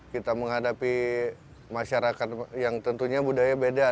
kita menghadapi masyarakat yang tentunya budaya beda